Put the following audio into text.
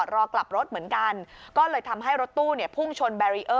รอกลับรถเหมือนกันก็เลยทำให้รถตู้เนี่ยพุ่งชน